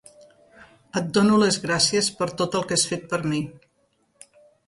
Et dono les gràcies per tot el que has fet per mi.